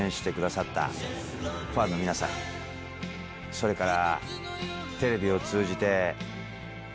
それから。